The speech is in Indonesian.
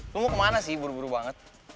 lo mau kemana sih buru buru banget